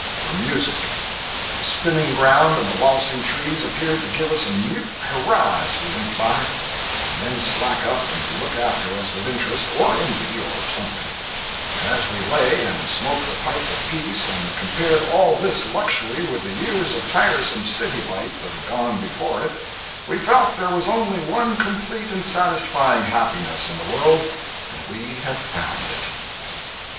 were music; the spinning ground and the waltzing trees appeared to give us a mute hurrah as we went by, and then slack up and look after us with interest, or envy, or something; and as we lay and smoked the pipe of peace and compared all this luxury with the years of tiresome city life that had gone before it, we felt that there was only one complete and satisfying happiness in the world, and we had found it.